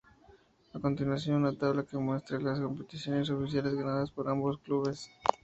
A continuación una tabla que muestra las competiciones oficiales ganadas por ambos clubes.